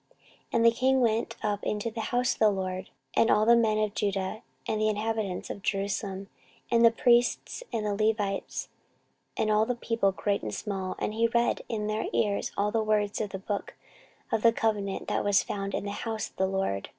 14:034:030 And the king went up into the house of the LORD, and all the men of Judah, and the inhabitants of Jerusalem, and the priests, and the Levites, and all the people, great and small: and he read in their ears all the words of the book of the covenant that was found in the house of the LORD.